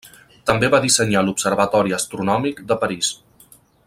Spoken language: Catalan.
També va dissenyar l'observatori astronòmic de París.